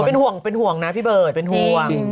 โอ้เป็นห่วงนะพี่เบิร์ดเป็นห่วงจริง